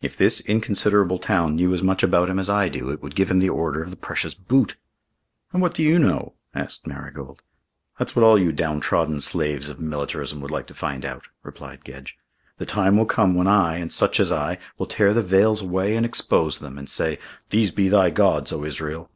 "If this inconsiderable town knew as much about him as I do, it would give him the order of the precious boot." "And what do you know?" asked Marigold. "That's what all you downtrodden slaves of militarism would like to find out," replied Gedge. "The time will come when I, and such as I, will tear the veils away and expose them, and say 'These be thy gods, O Israel.'"